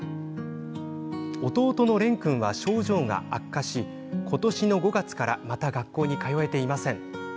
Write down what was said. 弟の蓮君は、症状が悪化し今年の５月からまた学校に通えていません。